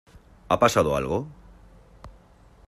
¿ ha pasado algo?